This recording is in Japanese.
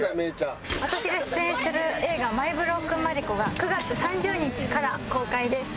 私が出演する映画『マイ・ブロークン・マリコ』が９月３０日から公開です。